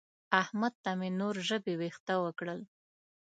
احمد ته مې نور ژبې وېښته وکړل.